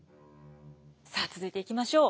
さあ続いていきましょう。